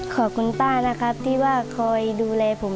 ขอบคุณป้านะครับที่ว่าคอยดูแลผม